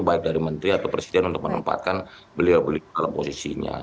baik dari menteri atau presiden untuk menempatkan beliau beliau dalam posisinya